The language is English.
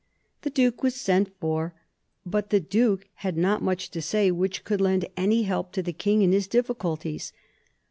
The Duke was sent for, but the Duke had not much to say which could lend any help to the King in his difficulties.